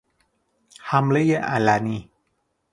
حملهی علنی